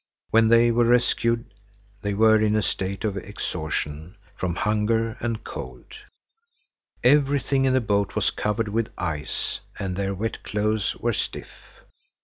When they were rescued, they were in a state of exhaustion from hunger and cold. Everything in the boat was covered with ice, and their wet clothes were stiff.